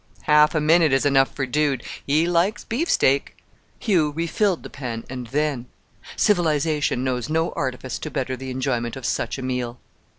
"Half a minute is enough for Dude. He likes beef steak!" Hugh refilled the pan and then civilization knows no artifice to better the enjoyment of such a meal!